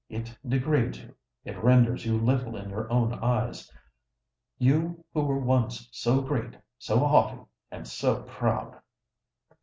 It degrades you—it renders you little in your own eyes,—you who were once so great—so haughty—and so proud!"